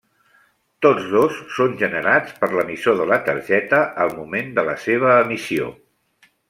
Tots dos són generats per l'emissor de la targeta al moment de la seva emissió.